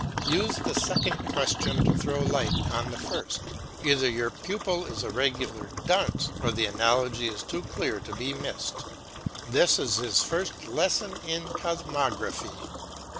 Use the second question to throw light on the first; either your pupil is a regular dunce or the analogy is too clear to be missed. This is his first lesson in cosmography.